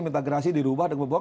minta gerasi dirubah dan berbohong